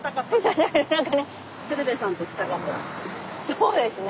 そうですね。